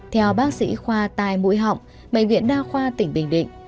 theo bác sĩ khoa tai mũi họng bệnh viện đa khoa tỉnh bình định